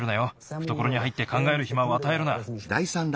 ふところに入ってかんがえるひまをあたえるな。